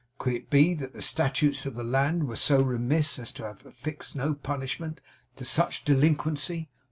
Could it be that the statutes of the land were so remiss as to have affixed no punishment to such delinquency?